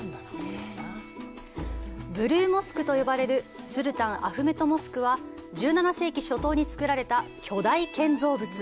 ブルーモスクと呼ばれるスルタンアフメト・モスクは、１７世紀初頭に造られた巨大建造物。